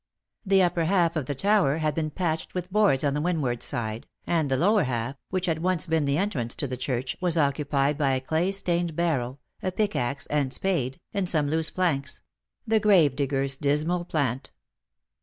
The upper half of the tower had been patched with boards on the windward side, and the lower half, which had once been the entrance to the church, was occupied by a clay stained barrow, a pickaxe and spade, and some loose planks — the gravedigger's dismal plant.